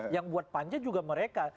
yang buat panja juga mereka